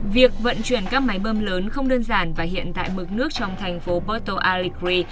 việc vận chuyển các máy bơm lớn không đơn giản và hiện tại mực nước trong thành phố boto alegre